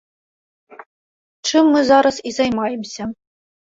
Чым мы зараз і займаемся.